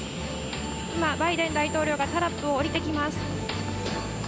今、バイデン大統領がタラップを下りてきます。